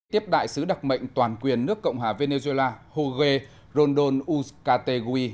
tiếp đại sứ đặc mệnh toàn quyền nước cộng hòa venezuela jorge rondon uskategui